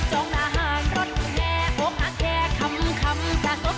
เป็นการให้กำลังใจสำหรับมนุษย์สนุก